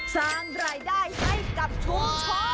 สร้างรายได้ให้กับชุมชน